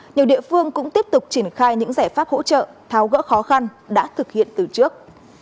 nhiều địa phương cũng tiếp tục triển khai những giải pháp hỗ trợ tháo gỡ khó khăn đã thực hiện từ trước